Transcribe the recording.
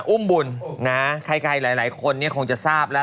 อุ้มบุญใครหลายคนคงจะทราบแล้ว